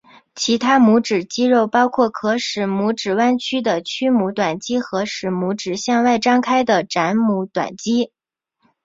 其他拇指肌肉包括可使拇指弯曲的屈拇短肌和使拇指向外张开的展拇短肌。